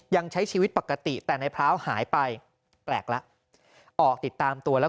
ยังใช้ชีวิตปกติแต่นายพร้าวหายไปแปลกแล้วออกติดตามตัวแล้ว